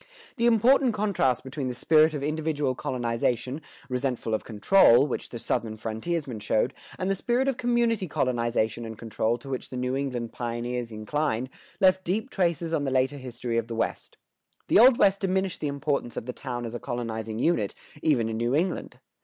The important contrast between the spirit of individual colonization, resentful of control, which the Southern frontiersmen showed, and the spirit of community colonization and control to which the New England pioneers inclined, left deep traces on the later history of the West.[125:1] The Old West diminished the importance of the town as a colonizing unit, even in New England.